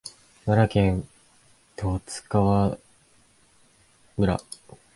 奈良県十津川村